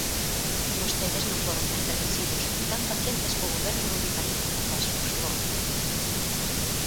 Vostedes non foron tan permisivos nin tan pacientes co Goberno do Bipartito coas uxfor.